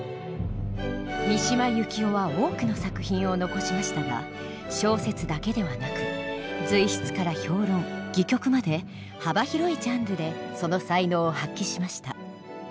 三島由紀夫は多くの作品を残しましたが小説だけではなく随筆から評論戯曲まで幅広いジャンルでその才能を発揮しました。